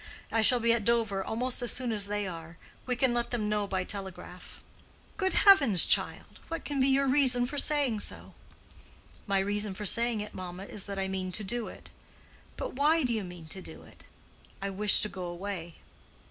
I shall be at Dover almost as soon as they are; we can let them know by telegraph." "Good heavens, child! what can be your reason for saying so?" "My reason for saying it, mamma, is that I mean to do it." "But why do you mean to do it?" "I wish to go away."